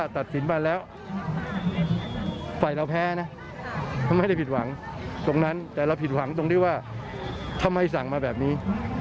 แต่เราผิดหวังตรงที่ว่าทำไมสั่งมาแบบนี้